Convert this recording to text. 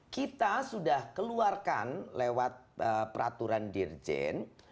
kita sudah keluarkan lewat peraturan dirjen